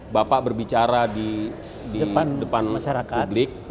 bapak berbicara di depan publik